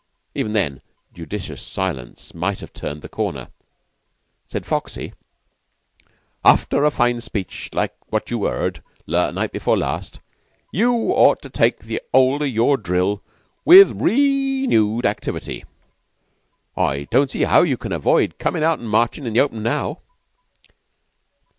Even then, judicious silence might have turned the corner. Said Foxy: "After a fine speech like what you 'eard night before last, you ought to take 'old of your drill with re newed activity. I don't see how you can avoid comin' out an' marchin' in the open now."